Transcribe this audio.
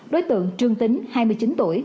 đối tượng trương tính hai mươi chín tuổi